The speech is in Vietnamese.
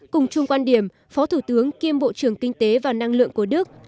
cùng chung quan điểm phó thủ tướng kiêm bộ trưởng kinh tế và năng lượng của đức